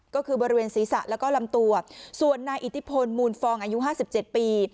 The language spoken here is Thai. ก็คือบริเวณศีรษะแล้วก็ลำตัวส่วนนายอิทธิพลมูลฟองอายุ๕๗ปี